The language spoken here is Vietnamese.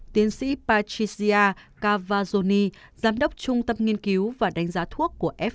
tiến sĩ patricia cavazzoni giám đốc trung tâm nghiên cứu và đánh giá thuốc của fda cho biết